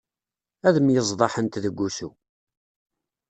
Ad myeẓḍaḥent deg ussu.